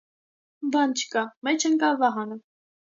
- Բան չկա,- մեջ ընկավ Վահանը: